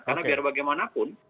karena biar bagaimanapun